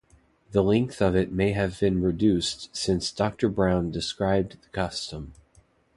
The length of it may have been reduced since Dr. Brown described the custom.